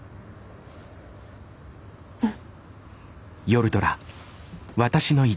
うん。